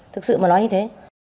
thực sự mà nói như thế